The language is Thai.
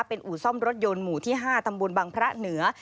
เป็นอู่ซ่อมรถยนต์หมู่ที่๕ตำบลบังพระเหนือ